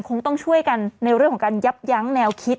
คงต้องช่วยกันในเรื่องของการยับยั้งแนวคิด